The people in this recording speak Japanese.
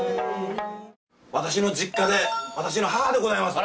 私の実家で私の母でございます。